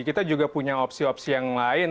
kita juga punya opsi opsi yang lain